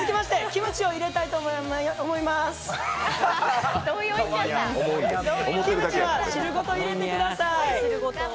キムチは汁ごと入れてください